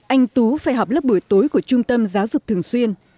anh tú phải học lớp buổi tối của trung tâm giáo dục thường xuyên